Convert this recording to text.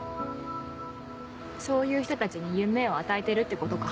そういう人たちに夢を与えてるってことか。